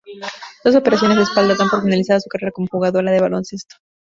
Dos operaciones de espalda, dan por finalizada su carrera como jugadora de baloncesto.